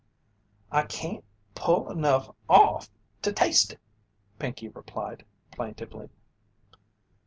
"I can't pull enough off to taste it," Pinkey replied, plaintively.